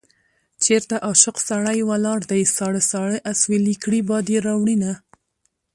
چېرته عاشق سړی ولاړ دی ساړه ساړه اسويلي کړي باد يې راوړينه